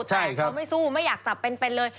แต่เขาไม่สู้ไม่อยากจับเป็นเลย